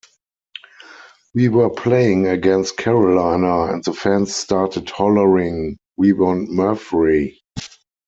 We were playing against Carolina, and the fans started hollering, 'We want Murphrey.